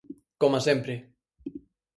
Coma sempre.